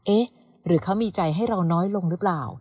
เอ๊ะหรือเขามีใจให้เราน้อยลงหรือเปล่า